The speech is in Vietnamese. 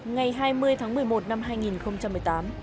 ngày hai mươi tháng một mươi một năm hai nghìn một mươi tám